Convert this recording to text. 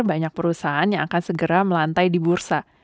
banyak perusahaan yang akan segera melantai di bursa